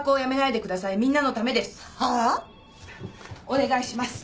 お願いします。